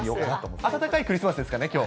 暖かいクリスマスですからね、きょう。